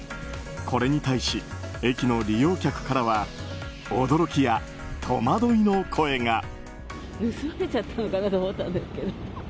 これに対し駅の利用客からは驚きや戸惑いの声が。